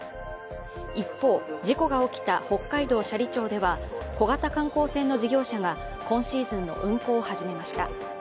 一方、事故が起きた北海道斜里町では小型観光船の事業者が今シーズンの運航を始めました。